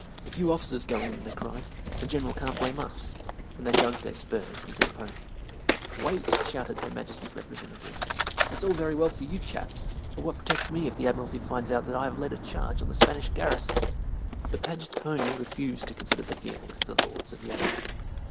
"If you officers go in," they cried, "the General can't blame us," and they dug their spurs into the ponies. "Wait!" shouted Her Majesty's representative. "That's all very well for you chaps, but what protects me if the Admiralty finds out I have led a charge on a Spanish garrison?" But Paget's pony refused to consider the feelings of the Lords of the Admiralty.